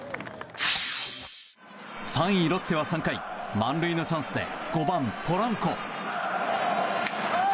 ３位、ロッテは３回満塁のチャンスで５番、ポランコ。